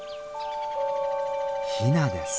ヒナです。